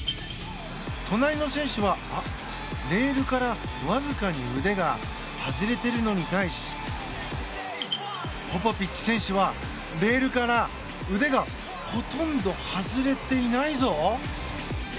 隣の選手はレールからわずかに腕が外れているのに対しポポビッチ選手は、レールから腕がほとんど外れていないぞ。